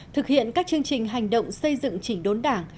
thực hiện các chương trình hành động xây dựng chỉnh đốn đảng